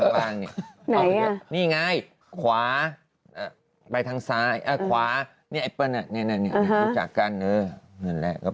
ไหนอ่ะนี่ไงขวาไปทางซ้ายอ่ะขวานี่ไอปเปิ้ลอ่ะนี่รู้จักกันเออ